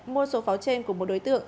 mua số pháo trên của một đối tượng